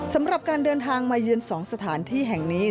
สำหรับการเดินทางมาเยือน๒สถานที่แห่งนี้